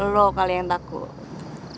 lo kali yang takut